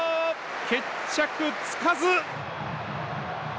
決着つかず！